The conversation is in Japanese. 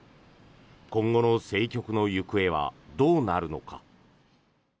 今後の政局の行方はどうなるのか。